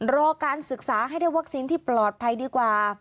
รอการศึกษาให้ได้วัคซีนที่ปลอดภัยดีกว่า